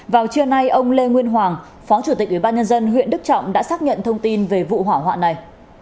vào trưa nay ông lê nguyên hoàng phó chủ tịch ubnd huyện đức trọng đã xác nhận thông tin về vụ hỏa hoạn này